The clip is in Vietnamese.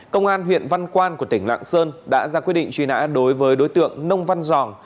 công an huyện văn quan của tỉnh lạng sơn đã ra quyết định truy nã đối với đối tượng nông văn giòn